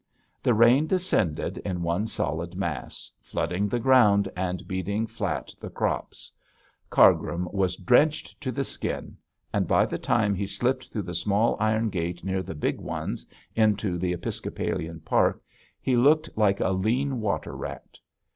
The rain descended in one solid mass, flooding the ground and beating flat the crops. Cargrim was drenched to the skin, and by the time he slipped through the small iron gate near the big ones, into the episcopalian park, he looked like a lean water rat.